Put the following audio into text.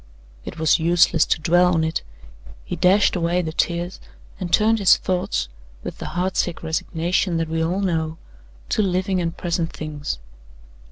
It was useless to dwell on it; he dashed away the tears, and turned his thoughts, with the heart sick resignation that we all know, to living and present things.